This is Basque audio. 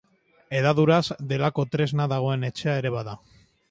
Hedaduraz, delako tresna dagoen etxea ere bada.